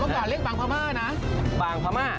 เมื่อก่อนเรียกบางพามานะบางพามา